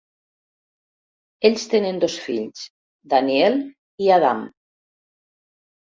Ells tenen dos fills, Daniel i Adam.